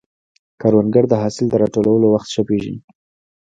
کروندګر د حاصل د راټولولو وخت ښه پېژني